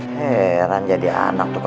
heran jadi anak tuh